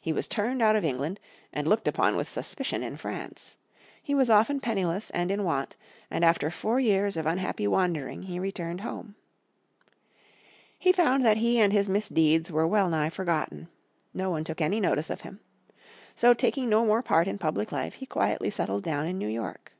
He was turned out of England, and looked upon with suspicion in France. He was often penniless and in want, and after four years of unhappy wandering he returned home. He found that he and his misdeeds were well nigh forgotten. No one took any notice of him. So taking no more part in public life he quietly settled down in New York.